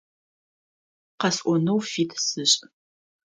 Къэсӏонэу фит сышӏ.